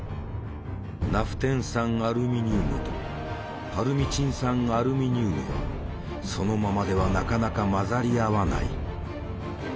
ナフテン酸アルミニウムとパルミチン酸アルミニウムはそのままではなかなか混ざり合わない。